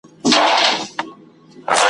لا یې نه وو د آرام نفس ایستلی `